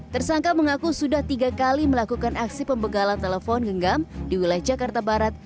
tersangka mengaku sudah tiga kali melakukan aksi pembegalan telepon genggam di wilayah jakarta barat